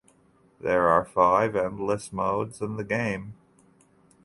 There are five endless modes in the game.